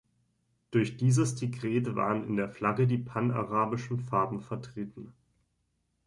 Durch dieses Dekret waren in der Flagge die panarabischen Farben vertreten.